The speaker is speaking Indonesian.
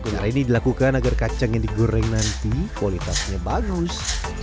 pengarah ini dilakukan agar kacang yang digoreng nanti kualitasnya bagus